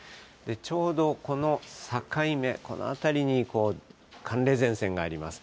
ちょうどこの境目、この辺りに寒冷前線があります。